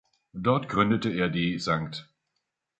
Dort gründete er die „St.